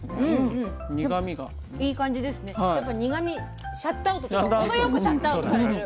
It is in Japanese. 苦みシャットアウトっていうか程よくシャットアウトされてる。